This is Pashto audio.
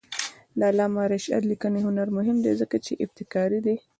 د علامه رشاد لیکنی هنر مهم دی ځکه چې ابتکاري دی.